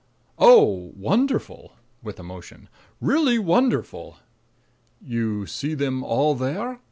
"Oh, wonderful." (With emotion) "Really wonderful." "You see them all there?"